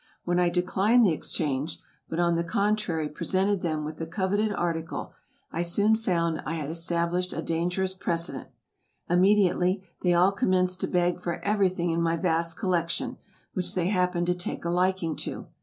When I declined the exchange, but on the contrary presented them with the coveted article, I soon found I had established a dangerous precedent. Immediately, they all commenced to beg for everything in my vast collection, which they happened to take a liking to.